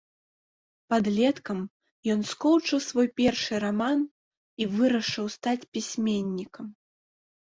Падлеткам ён скончыў свой першы раман і вырашыў стаць пісьменнікам.